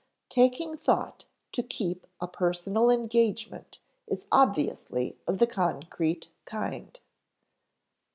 Taking thought to keep a personal engagement is obviously of the concrete kind.